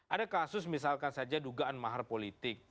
ada kasus misalkan saja dugaan mahar politik